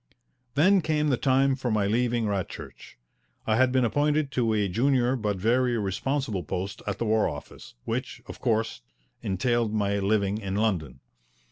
Then came the time for my leaving Radchurch. I had been appointed to a junior but very responsible post at the War Office, which, of course, entailed my living in London.